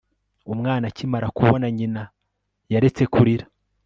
umwana akimara kubona nyina, yaretse kurira